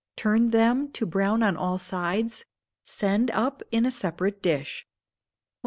Turn them to brown on all sides; send up in a separate dish. 1112.